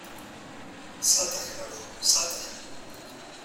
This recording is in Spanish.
Salta, Gerardo, ¡salta!